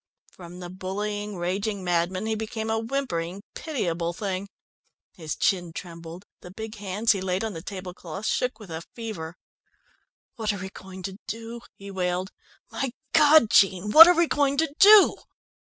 From the bullying, raging madman, he became a whimpering, pitiable thing. His chin trembled, the big hands he laid on the tablecloth shook with a fever. "What are we going to do?" he wailed. "My God, Jean, what are we going to do?"